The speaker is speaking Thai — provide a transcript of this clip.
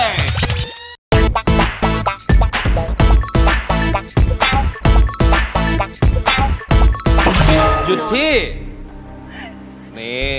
ยุดที่